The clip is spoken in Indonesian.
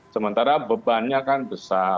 sementara bebannya kan besar